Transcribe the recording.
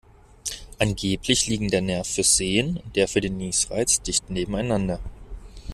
Angeblich liegen der Nerv fürs Sehen und der für den Niesreiz dicht nebeneinander.